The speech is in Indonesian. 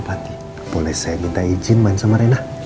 ibu hati boleh saya minta izin main sama rena